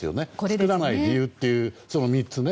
作らない理由という３つ。